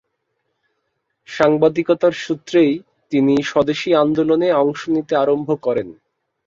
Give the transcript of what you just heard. সাংবাদিকতার সূত্রেই তিনি স্বদেশী আন্দোলনে অংশ নিতে আরম্ভ করেন।